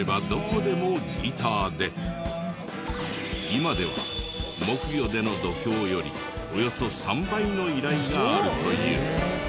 今では木魚での読経よりおよそ３倍の依頼があるという。